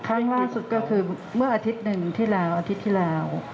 ครั้งล่าสุดก็คือเมื่ออาทิตย์หนึ่งที่แล้วอาทิตย์ที่แล้ว